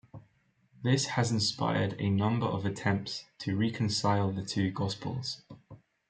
This has inspired a number of attempts to reconcile the two gospels.